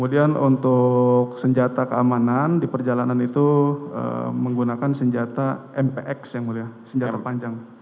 kemudian untuk senjata keamanan di perjalanan itu menggunakan senjata mpx yang mulia senjata panjang